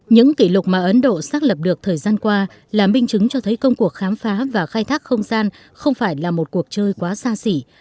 những kỷ lục mà ấn độ xác lập được thời gian qua là minh chứng cho thấy công cuộc khám phá và khai thác không gian không phải là một cuộc chơi quá xa xỉ